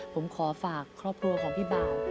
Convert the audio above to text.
ผมขอฝากครอบครัวของพี่บ่าว